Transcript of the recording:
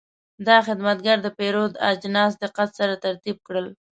دا خدمتګر د پیرود اجناس دقت سره ترتیب کړل.